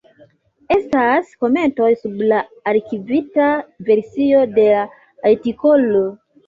Estas komentoj sub la arkivita versio de la artikolo.